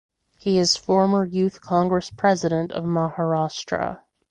He is Former Youth Congress President of Maharashtra.